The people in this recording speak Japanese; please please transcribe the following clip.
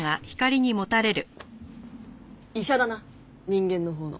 医者だな人間のほうの。